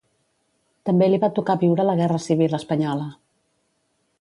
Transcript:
També li va tocar viure la Guerra Civil espanyola.